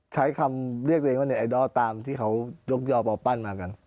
ใช้คำเรียกตัวเองว่าในไอดอลตามที่เขายกยอปอปั้นมากัน